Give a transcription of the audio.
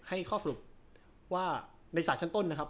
ให้ข้อสรุปว่าในศาลชั้นต้นนะครับ